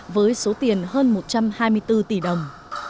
với số tiền hơn một trăm hai mươi bốn tỷ đồng